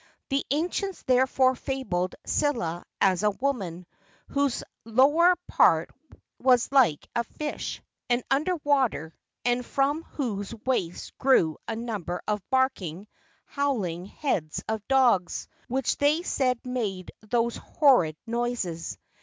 The ancients therefore fabled Scylla as a woman, whose lower part was like a fish, and under water, and from whose waist grew a number of barking, howling heads of dogs, which they said made those horrid noises.